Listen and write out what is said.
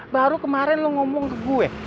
baru kemarin lo ngomong ke gue